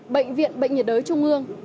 bệnh viện bệnh nhiệt đới trung ương